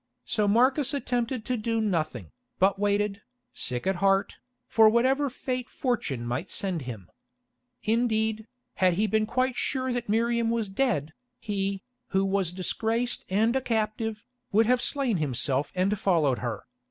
So Marcus attempted to do nothing, but waited, sick at heart, for whatever fate fortune might send him. Indeed, had he been quite sure that Miriam was dead, he, who was disgraced and a captive, would have slain himself and followed her.